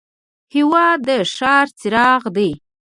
هېواد د ښار څراغ دی.